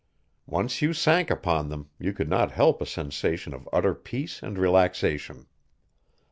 Once you sank upon them you could not help a sensation of utter peace and relaxation.